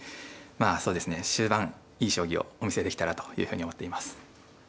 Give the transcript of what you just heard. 終盤いい将棋をお見せできたらというふうに思っています。